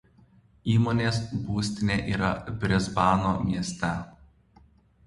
Įmonės būstinė yra Brisbano mieste.